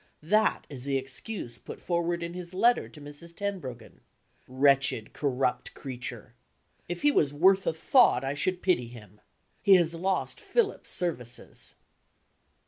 That is the excuse put forward in his letter to Mrs. Tenbruggen. Wretched corrupt creature! If he was worth a thought I should pity him. He has lost Philip's services.